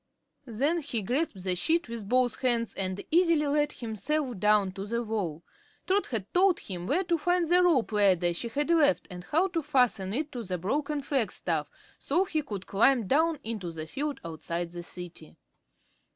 Then he grasped the sheet with both hands and easily let himself down to the wall. Trot had told him where to find the rope ladder she had left and how to fasten it to the broken flagstaff so he could climb down into the field outside the City.